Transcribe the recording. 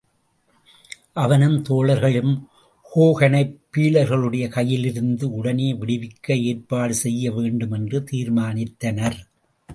அவனும் தோழர்களும் ஹோகனைப் பீலர்களுடைய கையிலிருந்து உடனே விடுவிக்க ஏற்பாடு செய்ய வேண்டும் என்று தீர்மானித்தனர்.